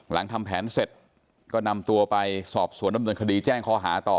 หลังทำแผนเสร็จก็นำตัวไปสอบสวนดำเนินคดีแจ้งข้อหาต่อ